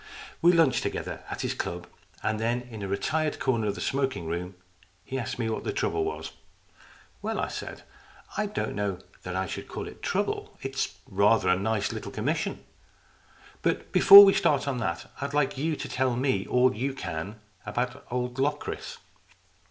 We lunched together at his club, and then, in a retired corner of the smoking room, he asked me what the trouble was. "Well," I said, "I don't know that I should call it trouble. It's rather a nice little commission. LOCRIS OF THE TOWER 197 But before we start on that I'd like you to tell me all you can about old Locris."